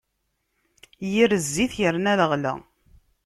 Yir zzit, yerna leɣla.